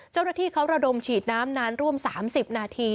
เจ้าหน้าที่เขาระดมฉีดน้ำนานร่วม๓๐นาที